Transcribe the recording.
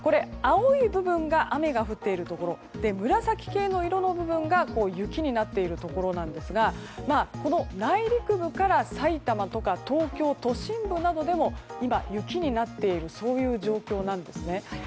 青い部分が雨が降っているところ紫系の色の部分が雪になっているところなんですがこの内陸部から埼玉とか東京都心部などでも今、雪になっている状況なんですね。